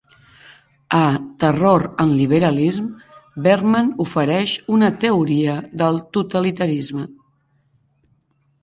A 'Terror and Liberalism', Berman ofereix una teoria del totalitarisme.